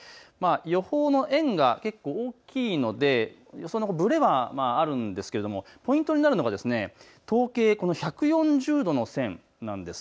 予報の円が結構、大きいので予想のぶれはあるんですけれどもポイントになるのが東経１４０度の線なんです。